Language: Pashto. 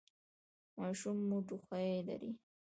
ماشوم مو ټوخی لري؟